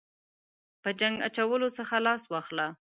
په جنګ اچولو څخه لاس واخله.